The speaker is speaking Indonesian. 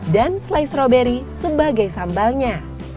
dan slice strawberry sebagai sambalnya